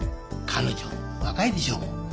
彼女若いでしょ？